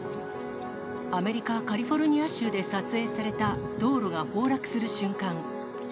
アメリカ・カリフォルニア州で撮影された、道路が崩落する瞬間。